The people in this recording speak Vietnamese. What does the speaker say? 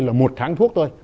là một tháng thuốc thôi